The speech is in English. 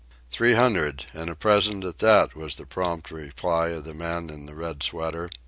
"Three hundred, and a present at that," was the prompt reply of the man in the red sweater.